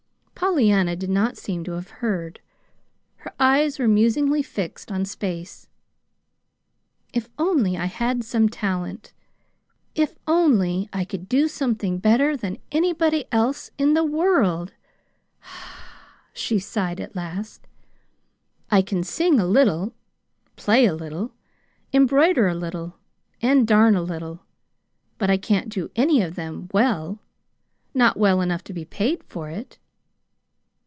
Pollyanna did not seem to have heard. Her eyes were musingly fixed on space. "If only I had some talent! If only I could do something better than anybody else in the world," she sighed at last. "I can sing a little, play a little, embroider a little, and darn a little; but I can't do any of them well not well enough to be paid for it.